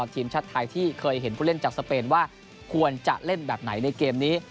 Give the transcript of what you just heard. ทีมชาติไทยที่เคยเห็นผู้เล่นจากสเปนว่าควรจะเล่นแบบไหนในเกมนี้